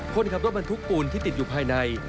คนขับรถบรรทุกปูนที่ติดอยู่ภายใน